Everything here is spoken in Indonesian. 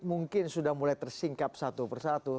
mungkin sudah mulai tersingkap satu persatu